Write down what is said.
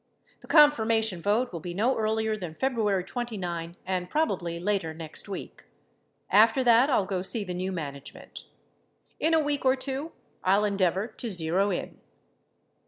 The confirmation vote will be no earlier than February 29 and probably later next week. After that, I'll go see the new management. ... In a week or two I'll endeavor to zero in.